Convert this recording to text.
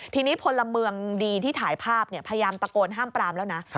ทีนี้พลเมืองดีที่ถ่ายภาพพยายามตะโกนห้ามปรามแล้วนะ